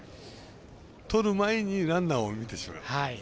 とる前にランナーを見てしまってましたね。